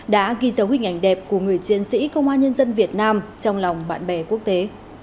đã ghi dấu hình ảnh đẹp của người chiến sĩ công an nhân dân việt nam trong lòng bạn bè quốc tế